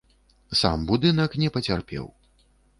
Сам будынак не пацярпеў.